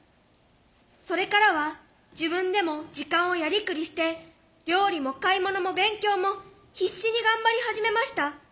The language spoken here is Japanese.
それからは自分でも時間をやりくりして料理も買い物も勉強も必死に頑張り始めました。